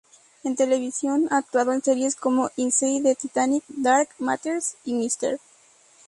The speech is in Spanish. En televisión ha actuado en series como: "Inside The Titanic", "Dark Matters" y "Mr.